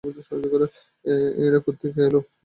এরা কোত্থেকে এলো?